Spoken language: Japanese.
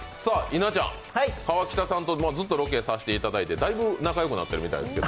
河北さんとずっとロケさせていただいてだいぶ仲良くなったみたいですけど。